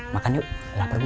makan yuk lapar gue